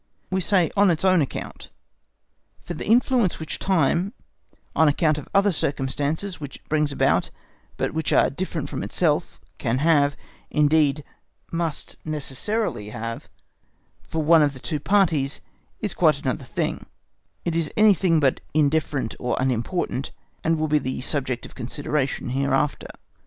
We say on "its own account," for the influence which time, on account of other circumstances which it brings about but which are different from itself can have, indeed must necessarily have, for one of the two parties, is quite another thing, is anything but indifferent or unimportant, and will be the subject of consideration hereafter.